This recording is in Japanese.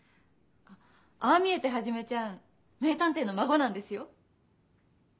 あっああ見えてはじめちゃん名探偵の孫なんですよ。